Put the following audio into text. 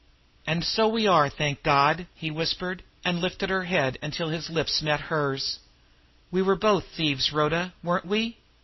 "And so we were, thank God!" he whispered and lifted her head until now his lips met hers. "We were both thieves, Rhoda, weren't we?